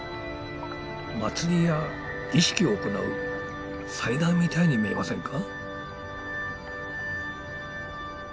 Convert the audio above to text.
祭りや儀式を行う祭壇みたいに見えませんか？